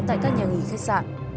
tại các nhà nghỉ khách sạn